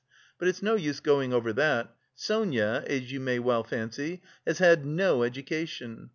But it's no use going over that! Sonia, as you may well fancy, has had no education.